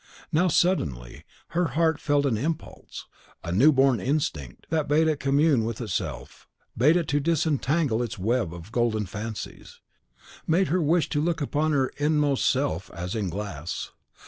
Now, suddenly, her heart felt an impulse; a new born instinct, that bade it commune with itself, bade it disentangle its web of golden fancies, made her wish to look upon her inmost self as in a glass.